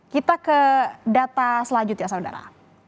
kita ke data selanjutnya saudara